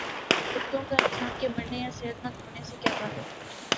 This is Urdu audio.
کتوں کا انسان کے مرنے یا صحت مند ہونے سے کیا تعلق